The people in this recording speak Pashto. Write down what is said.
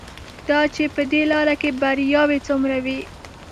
دا چې په دې لاره کې بریاوې څومره وې.